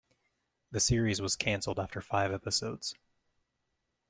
The series was canceled after five episodes.